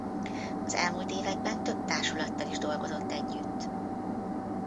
Az elmúlt években több társulattal is dolgozott együtt.